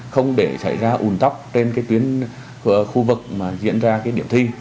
không để xảy ra ùn tóc trên tuyến khu vực mà diễn ra điểm thi